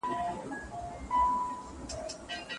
په لومړۍ ورځ چي ځالۍ دي جوړوله